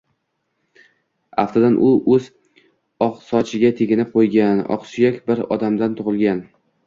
Aftidan u o`z oqsochiga teginib qo`ygan oqsuyak bir odamdan tug`ilgan